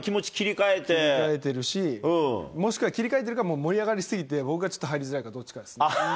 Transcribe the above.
切り替えてるし、もしか切り替えてるか、盛り上がり過ぎて僕がちょっと入りづらいかどっちかです。